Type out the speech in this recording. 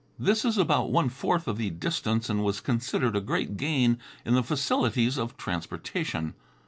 This is about one fourth of the distance and was considered a great gain in the facilities of transportation.